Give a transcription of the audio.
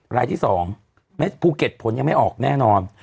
รายที่๒ภูเก็ตผลยังไม่ออกแน่นอน